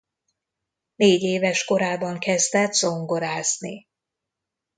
Négyéves korában kezdett zongorázni.